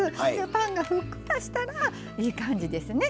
パンがふっくらしたらいい感じですね。